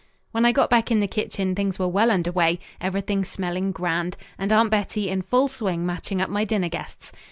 When I got back in the kitchen things were well under way, everything smelling grand, and Aunt Bettie in full swing matching up my dinner guests.